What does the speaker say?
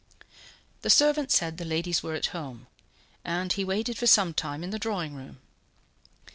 The servant said the ladies were at home, and he waited for some time in the drawing room.